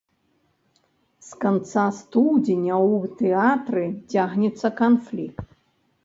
З канца студзеня ў тэатры цягнецца канфлікт.